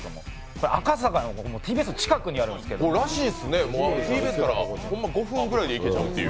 赤坂のＴＢＳの近くにあるんですけどらしいっすね、ＴＢＳから５分ぐらいで行けちゃうという。